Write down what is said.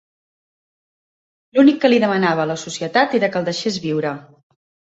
L'únic que li demanava a la societat era que el deixés viure.